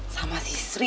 sama si sri